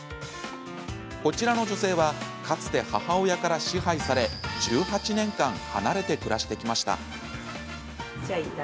こちらの女性はかつて母親から支配され１８年間離れて暮らしてきました。